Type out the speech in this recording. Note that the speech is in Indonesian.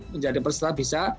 menjadi peserta bisa